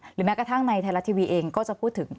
แม้กระทั่งในไทยรัฐทีวีเองก็จะพูดถึง